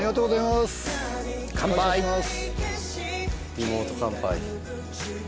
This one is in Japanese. リモート乾杯。